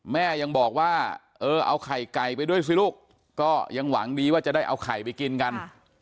แม่ยังบอกว่าเออเอาไข่ไก่ไปด้วยสิลูกก็ยังหวังดีว่าจะได้เอาไข่ไปกินกัน